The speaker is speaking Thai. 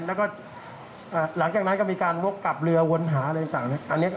แล้วก็หลังจากนั้นก็มีการวกกลับเรือวนหาอะไรต่าง